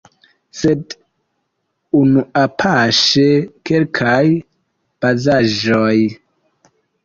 Sed unuapaŝe kelkaj bazaĵoj.